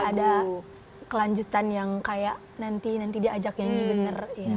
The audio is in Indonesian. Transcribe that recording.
iya ada kelanjutan yang kayak nanti dia ajak nyanyi benar